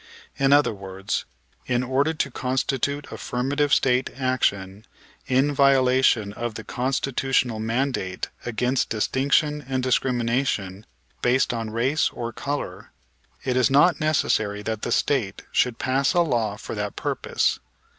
In other words, in order to constitute affirmative State action in violation of the Constitutional mandate against distinction and discrimination based on race or color, it is not necessary that the State should pass a law for that purpose.